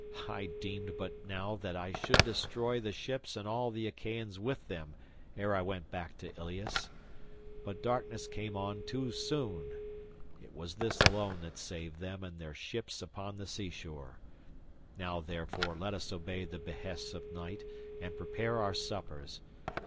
I deemed but now that I should destroy the ships and all the Achaeans with them ere I went back to Ilius, but darkness came on too soon. It was this alone that saved them and their ships upon the sea shore. Now, therefore, let us obey the behests of night, and prepare our suppers.